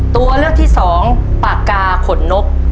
ตัวเลือกที่สองปากกาขนนก